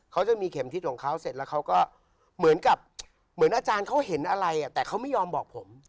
เขาจะมีเข็มทิศของเขาเสร็จแล้วเขาก็เหมือนกับเหมือนอาจารย์เขาเห็นอะไรแต่เขาไม่ยอมบอกผม